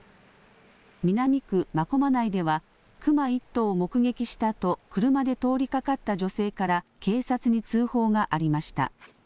南区真駒内ではクマ１頭を目撃したと車で通りかかった女性から警察に通報がありました。